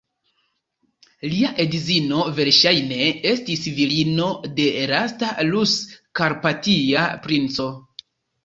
Lia edzino, verŝajne, estis filino de lasta Rus-karpatia princo.